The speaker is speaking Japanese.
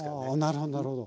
なるほどなるほど。